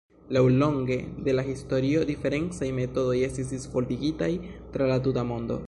Laŭlonge de la historio, diferencaj metodoj estis disvolvigitaj tra la tuta mondo.